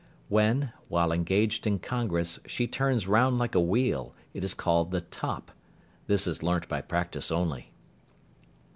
When, while engaged in congress, she turns round like a wheel, it is called the "top." This is learnt by practice only.